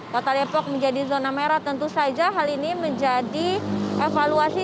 kota depok menjadi zona merah tentu saja hal ini menjadi evaluasi